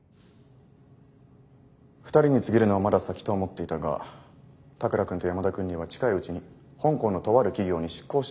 ２人に告げるのはまだ先と思っていたが田倉君と山田君には近いうちに香港のとある企業に出向してほしいと思っている。